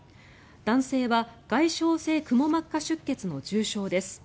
男性は外傷性くも膜下出血の重傷です。